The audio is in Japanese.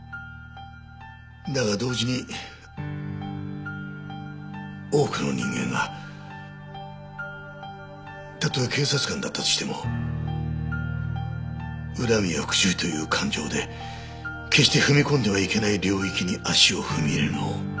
だが同時に多くの人間がたとえ警察官だったとしても恨みや復讐という感情で決して踏み込んではいけない領域に足を踏み入れるのを嫌というほど見てきた。